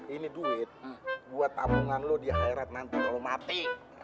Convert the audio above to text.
ini duit buat tamungan lo diheret nanti kalo mati